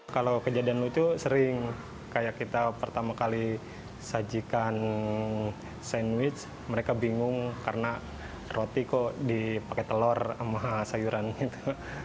kalau kejadian lucu sering kayak kita pertama kali sajikan sandwich mereka bingung karena roti kok dipakai telur sama sayuran gitu